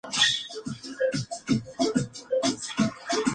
Hay otros edificios en este estilo, principalmente públicos o residenciales.